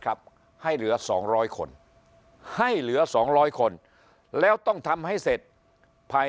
ให้เหลือ๒๐๐คนให้เหลือ๒๐๐คนแล้วต้องทำให้เสร็จภาย